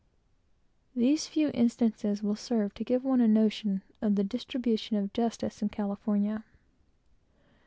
These few instances will serve to give one a notion of the distribution of justice in California.